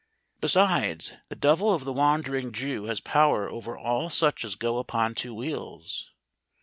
"Besides, the devil of the Wandering Jew has power over all such as go upon two wheels.